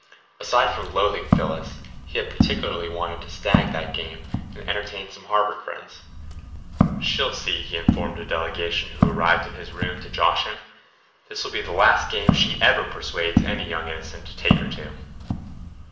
Aside from loathing Phyllis, he had particularly wanted to stag that game and entertain some Harvard friends. "She'll see," he informed a delegation who arrived in his room to josh him. "This will be the last game she ever persuades any young innocent to take her to!"